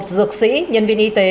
một mươi một dược sĩ nhân viên y tế